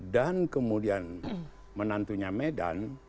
dan kemudian menantunya medan